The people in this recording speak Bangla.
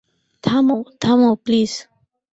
থামো, থামো প্লিজ!